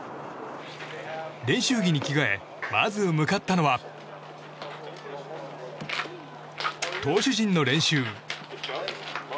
練習着に着替えまず向かったのは投手陣の練習。